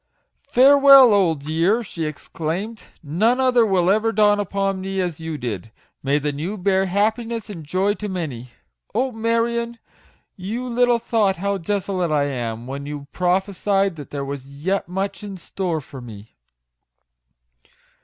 "Farewell, old year!" she exclaimed ;" none other will ever dawn upon me as you did. May the new bear happiness and joy to many ! Oh, Marion ! you little thought how desolate I am, when you prophe sied that there was yet much in store for me."